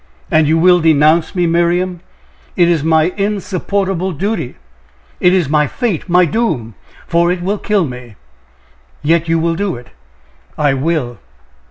"And you will denounce me, Miriam?" "It is my insupportable duty! it is my fate! my doom! for it will kill me!" "Yet you will do it!" "I will."